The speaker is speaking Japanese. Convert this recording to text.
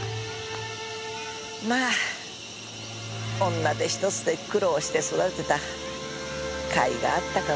まあ女手一つで苦労して育てた甲斐があったかもしれません。